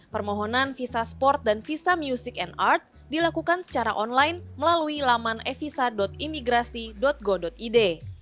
permohonan visa sport dan visa music and art dilakukan secara online melalui laman evisa imigrasi go id